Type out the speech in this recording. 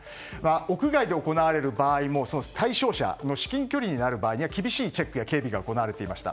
屋外で行われる場合も対象者と至近距離になる場合は厳しいチェックや警備が行われていました。